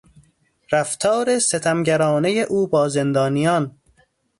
رفتار ستمگرانهی او با زندانیان